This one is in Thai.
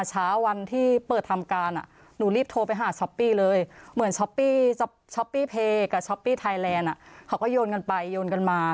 หากหลอกก็โยนกันไปโยนกันมา